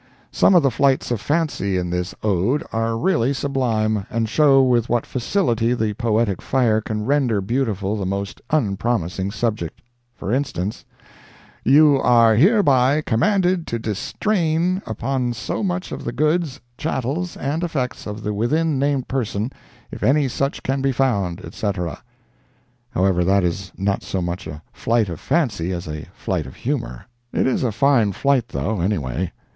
Some of the flights of fancy in this Ode are really sublime, and show with what facility the poetic fire can render beautiful the most unpromising subject. For instance: "You are hereby commanded to distrain upon so much of the goods, chattels and effects of the within named person, if any such can be found, etc." However, that is not so much a flight of fancy as a flight of humor. It is a fine flight, though, anyway.